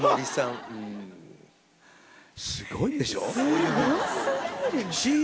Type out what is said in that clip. すごいでしょ？